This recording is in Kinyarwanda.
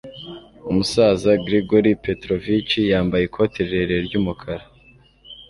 umusaza grigory petrovitch, yambaye ikote rirerire ry'umukara